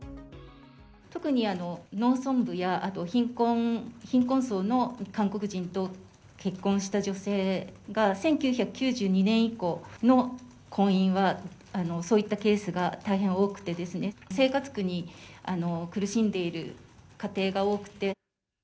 特に農村部や、あと貧困層の韓国人と結婚した女性が、１９９２年以降の婚姻はそういったケースが大変多くてですね、生活苦に苦しんでいる家庭が多くて。